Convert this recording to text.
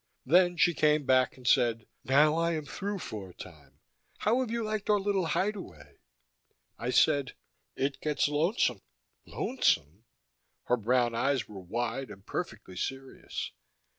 Then she came back and said, "Now I am through, for a time. How have you liked our little hideaway?" I said, "It gets lonesome." "Lonesome?" Her brown eyes were wide and perfectly serious.